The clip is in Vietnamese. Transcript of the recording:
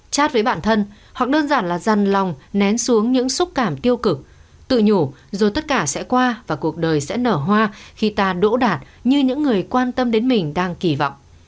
chat với bản thân hoặc đơn giản là dần lòng nén xuống những xúc cảm tiêu cực tự nhủ rồi tất cả sẽ qua và cuộc đời sẽ nở hoa khi ta đỗ đạt như những người quan tâm đến mình đang kỳ vọng